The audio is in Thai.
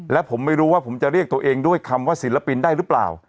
และผมไม่รู้ว่าผมจะเรียกตัวเองด้วยคำว่าศิลปินได้หรือเปล่า